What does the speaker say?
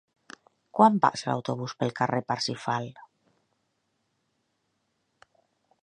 Quan passa l'autobús pel carrer Parsifal?